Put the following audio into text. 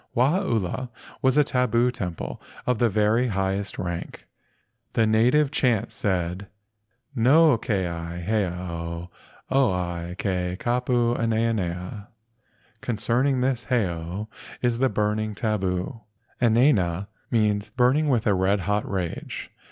Wahaula was a tabu temple of the very highest rank. The native chants said, "No keia heiau oia ke kapu enaena." ("Concerning this heiau is the burning tabu.") "Enaena" means "burning with a red hot rage."